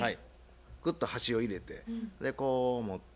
ぐっと箸を入れてこう持って。